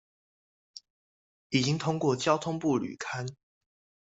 已經通過交通部履勘